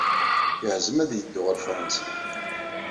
Yeɛzem ad yeddu ɣer Fṛansa.